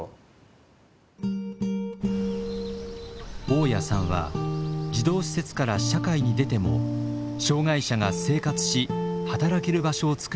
雄谷さんは児童施設から社会に出ても障害者が生活し働ける場所をつくろうと考えました。